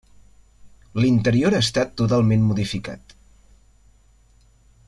L'interior ha estat totalment modificat.